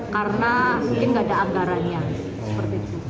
karena mungkin nggak ada anggarannya